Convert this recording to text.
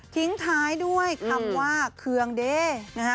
ทิ้งท้ายด้วยคำว่าเคืองเด้นะฮะ